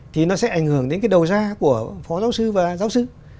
thì nó sẽ ảnh hưởng đến cái đầu ra của phó giáo sư và giáo sư